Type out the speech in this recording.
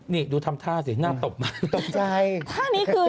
นี่ดูทำท่าสิหน้าตบมาก